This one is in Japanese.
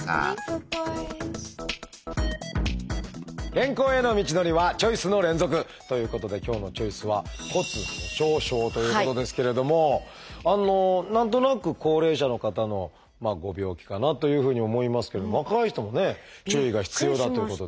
健康への道のりはチョイスの連続！ということで今日の「チョイス」は何となく高齢者の方のご病気かなというふうに思いますけど若い人もね注意が必要だということで。